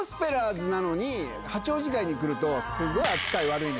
八王子会に来ると。